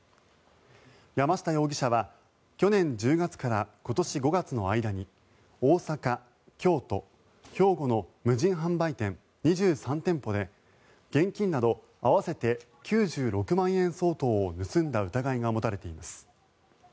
山下容疑者は去年１０月から今年５月の間に大阪、京都、兵庫の無人販売店２３店舗で現金など合わせて９６万円相当を盗んだ疑いが持たれています。